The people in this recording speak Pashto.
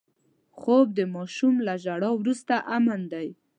خوب د ماشوم له ژړا وروسته امن دی